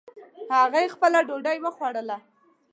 هغې خپله ډوډۍ خوړله